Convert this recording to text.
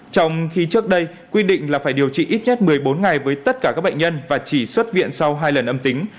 trong khi trước đây quy định là phải điều trị ít nhất một mươi bốn ngày với tất cả các bệnh nhân và chỉ xuất viện sau hai lần âm tính